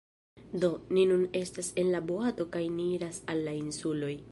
Do, ni nun estas en la boato kaj ni iras al la insuloj